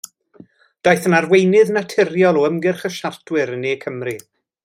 Daeth yn arweinydd naturiol o ymgyrch y siartwyr yn Ne Cymru.